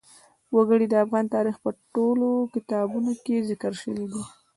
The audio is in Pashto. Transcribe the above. وګړي د افغان تاریخ په ټولو کتابونو کې ذکر شوي دي.